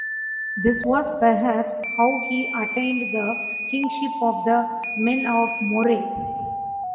This was perhaps how he attained the Kingship of the "Men of Moray".